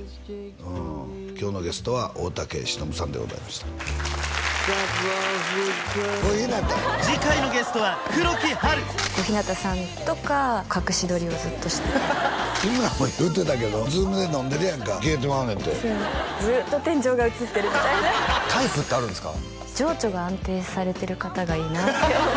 うん今日のゲストは大竹しのぶさんでございました次回のゲストは黒木華小日向さんとか隠し撮りをずっとして日村も言うてたけどＺｏｏｍで飲んでるやんか消えてまうねんてそうずっと天井が映ってるみたいなタイプってあるんですか？